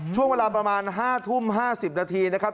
ช่วงเวลาประมาณ๕ทุ่ม๕๐นาทีนะครับ